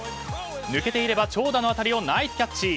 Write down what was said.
抜けていれば長打の当たりをナイスキャッチ。